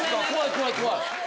怖い怖い。